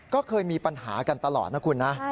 ก็เคยมีปัญหากันตลอดนะคุณนะ